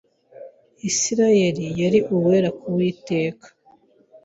Isirayeli yari Uwera ku Uwiteka,